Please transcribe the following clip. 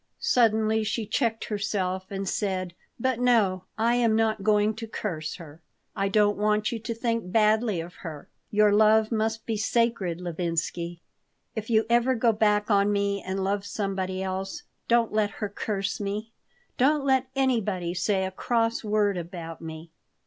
Suddenly she checked herself and said: "But, no, I am not going to curse her. I don't want you to think badly of her. Your love must be sacred, Levinsky. If you ever go back on me and love somebody else, don't let her curse me. Don't let anybody say a cross word about me."